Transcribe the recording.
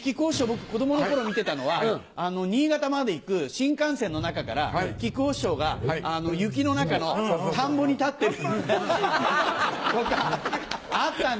僕子供の頃見てたのは新潟まで行く新幹線の中から木久扇師匠が雪の中の田んぼに立ってるとかあったんですよ。